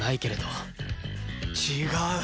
違う！